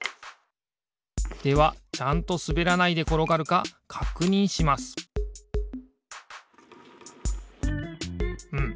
ではちゃんとすべらないでころがるかかくにんしますうん。